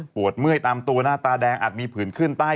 เมื่อยตามตัวหน้าตาแดงอาจมีผื่นขึ้นใต้